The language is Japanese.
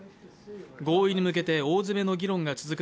合意に向けて大詰めの議論が続く